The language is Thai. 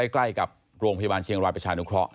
ใกล้กับโรงพยาบาลเชียงรายประชานุเคราะห